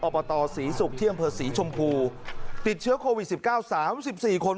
ตศรีศุกร์ที่อำเภอศรีชมพูติดเชื้อโควิดสิบเก้าสามสิบสี่คน